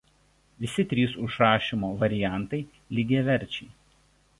Visi trys užrašymo variantai lygiaverčiai.